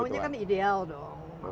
kita kan maunya kan ideal dong